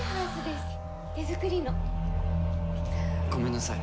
ごめんなさい。